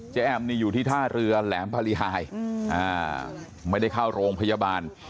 แอมนี่อยู่ที่ท่าเรือแหลมพริหายไม่ได้เข้าโรงพยาบาล